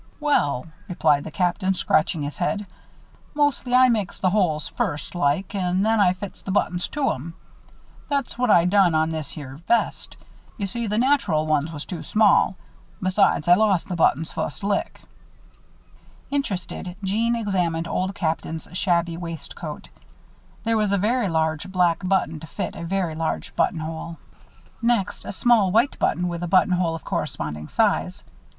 "Well," replied the Captain, scratching his head, "mostly I makes the holes first like and then I fits the buttons to 'em. That's what I done on this here vest. You see, the natural ones was too small. Besides I lost the buttons, fust lick." Interested Jeanne examined Old Captain's shabby waistcoat. There was a very large black button to fit a very large buttonhole. Next, a small white button with a buttonhole of corresponding size.